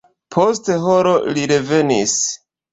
Post horo li revenis.